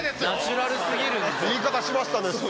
言い方しましたね失礼な。